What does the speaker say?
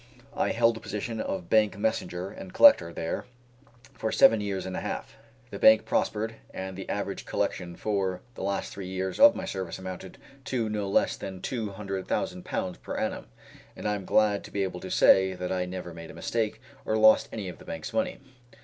I held the position of bank messenger and collector there for seven years and a half. The bank prospered, and the average collection for the last three years of my service amounted to no less than two hundred thousand pounds per annum; and I am glad to be able to say that I never made a mistake, or lost any of the bank's money.